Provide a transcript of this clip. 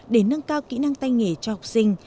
để nâng cao kỹ năng tay nghề cho học sinh